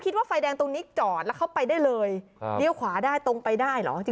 ไฟแดงตรงนี้จอดแล้วเข้าไปได้เลยเลี้ยวขวาได้ตรงไปได้เหรอ